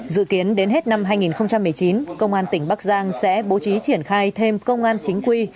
dự kiến đến hết năm hai nghìn một mươi chín công an tỉnh bắc giang sẽ bố trí triển khai thêm công an chính quy